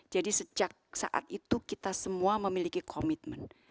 jadi sejak saat itu kita semua memiliki komitmen